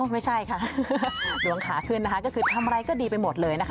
ไม่ใช่ค่ะดวงขาขึ้นนะคะก็คือทำอะไรก็ดีไปหมดเลยนะคะ